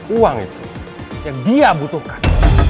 uang itu yang dia butuhkan